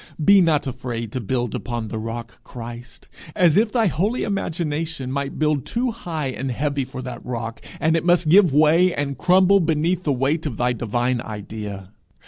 Be not afraid to build upon the rock Christ, as if thy holy imagination might build too high and heavy for that rock, and it must give way and crumble beneath the weight of thy divine idea.